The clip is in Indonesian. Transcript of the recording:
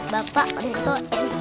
bapak itu entah